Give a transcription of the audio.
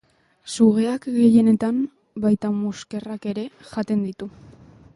Sugeak gehienetan, baita muskerrak ere, jaten ditu.